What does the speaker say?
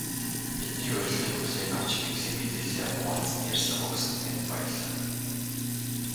Бидний урилгыг хүлээн авч, мэдлэг мэдээллээ хуваалцан ярилцлага өгсөн танд баярлалаа.